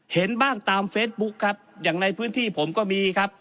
เห็นบ้างตามเฟซบุ๊คครับอย่างในพื้นที่ผมก็มีครับ